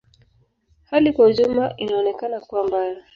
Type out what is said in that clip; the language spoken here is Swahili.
Hali kwa ujumla inaonekana kuwa mbaya.